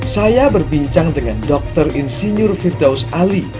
saya berbincang dengan dr insinyur firdaus ali